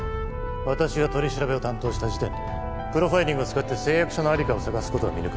私が取り調べを担当した時点でプロファイリングを使って誓約書の在りかを捜す事は見抜かれる。